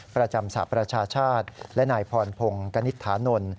ประจำสหประชาชาติและนายพรพงศ์กณิตถานนท์